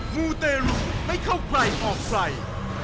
มูเตรุไม่เข้าใครออกใคร